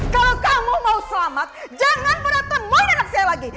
kalau kamu mau selamat jangan mendatang mau anak saya lagi